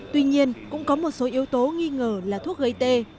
tuy nhiên cũng có một số yếu tố nghi ngờ là thuốc gây tê